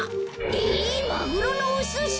えっマグロのおすし！？